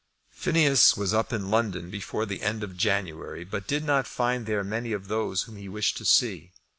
Phineas was up in London before the end of January, but did not find there many of those whom he wished to see.